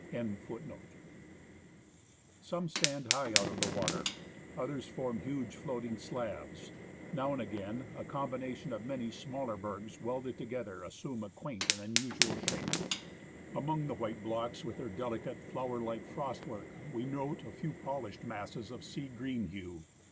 32 FROM JUNEAU TO YAKUTAT stand high out of water, others form huge floating slabs ; now and again, a combination of many smaller bergs welded together assumes a quaint and unusual shape. Among the white blocks with their delicate, flower like frost work, we note a few polished masses of sea green hue.